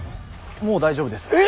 もう大丈夫です。